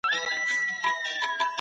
موږ د موسی جان او ګل مکۍ کيسه ولوسته.